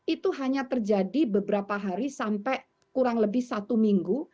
itu hanya terjadi beberapa hari sampai kurang lebih satu minggu